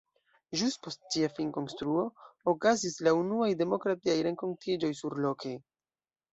Ĵus post ĝia finkonstruo okazis la unuaj demokratiaj renkontiĝoj surloke!